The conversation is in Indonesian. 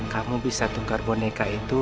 kamu bisa tukar boneka itu